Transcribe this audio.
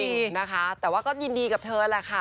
จริงนะคะแต่ว่าก็ยินดีกับเธอแหละค่ะ